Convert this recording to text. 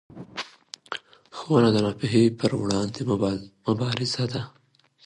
ښوونه د ناپوهۍ پر وړاندې مبارزه ده